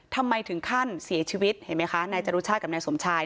ถึงขั้นเสียชีวิตเห็นไหมคะนายจรุชาติกับนายสมชาย